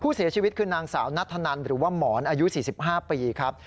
ผู้เสียชีวิตคือนางสาวนัทธนันหรือว่าหมอนอายุ๔๕ปีครับ